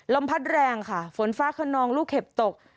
ลมพัดแรงค่ะฝนฟ้าขนองลูกเห็บตก